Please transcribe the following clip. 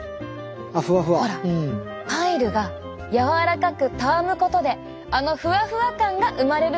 ほらパイルが柔らかくたわむことであのふわふわ感が生まれるんです。